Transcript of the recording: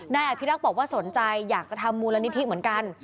อภิรักษ์บอกว่าสนใจอยากจะทำมูลนิธิเหมือนกัน